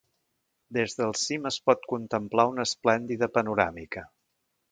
Des del cim es pot contemplar una esplèndida panoràmica.